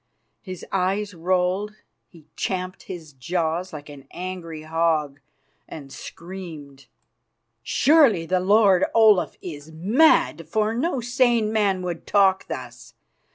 His eyes rolled; he champed his jaws like an angry hog, and screamed: "Surely the lord Olaf is mad, for no sane man would talk thus.